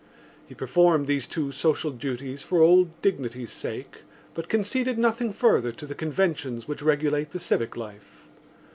He performed these two social duties for old dignity's sake but conceded nothing further to the conventions which regulate the civic life.